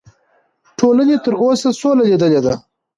ټولنې تر اوسه سوله لیدلې ده.